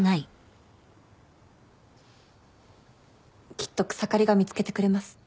きっと草刈が見つけてくれます。